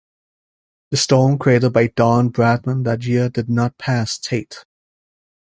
The storm created by Don Bradman that year did not pass Tate.